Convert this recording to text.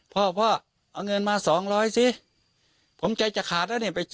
พ่อพ่อเอาเงินมาสองร้อยสิผมใจจะขาดแล้วเนี่ย